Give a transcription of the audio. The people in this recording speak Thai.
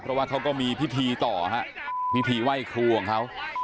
เพราะว่าเขาก็มีพิธีต่อฮะพิธีไหว้ครูของเขา